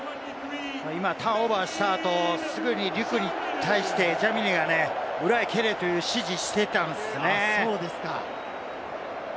今ターンオーバーした後、リュキュに対してジャミネが裏へ蹴れという指示していたんですね。